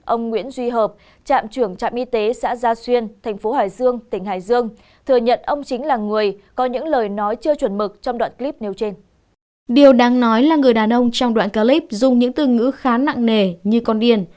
ông nguyễn duy hợp trạm y tế xã gia xuyên tp hcm thừa nhận ông chính là người có những lời nói chưa chuẩn mực trong đoạn clip nêu trên